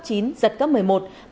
bão di chuyển theo hướng bắc vĩ bắc bộ